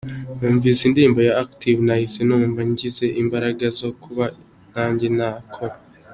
Numvise indirimbo ya Active nahise numva ngize imbaraga zo kuba nanjye nakora.